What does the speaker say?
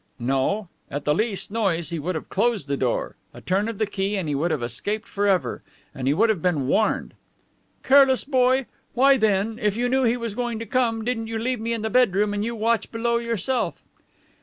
"No. At the least noise he would have closed the door. A turn of the key and he would have escaped forever. And he would have been warned." "Careless boy! Why then, if you knew he was going to come, didn't you leave me in the bedroom and you watch below yourself?"